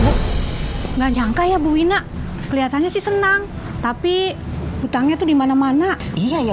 enggak nyangka ya bu wina kelihatannya senang tapi utangnya tuh dimana mana iya ya